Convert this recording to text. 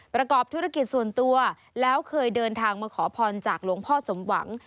ประกอบธุรกิจส่วนตัวแล้วเคยเดินทางมาขอพรจากหลวงพ่อสมหวัง